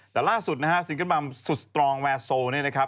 แต่ล่าสุดนะฮะซิงเกิ้ลบัมสุดสตรองแวร์โซเนี่ยนะครับ